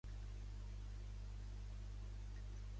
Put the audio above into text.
Una mica, diu?